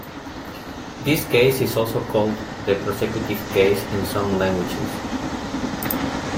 This case is also called the prosecutive case in some languages.